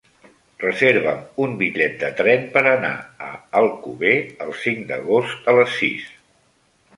Reserva'm un bitllet de tren per anar a Alcover el cinc d'agost a les sis.